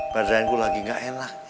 badaanku lagi gak enak